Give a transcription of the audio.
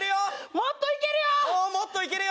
もっといけるよ！